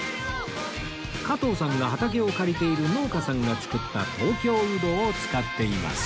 加藤さんが畑を借りている農家さんが作った東京うどを使っています